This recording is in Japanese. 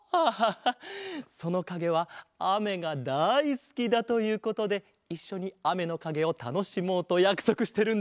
そのかげはあめがだいすきだということでいっしょにあめのかげをたのしもうとやくそくしてるんだ。